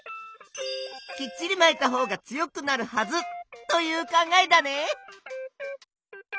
きっちりまいたほうが強くなるはずという考えだね。